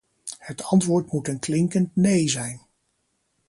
Het antwoord moet een klinkend nee zijn!